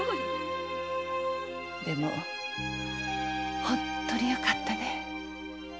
でも本当によかったね。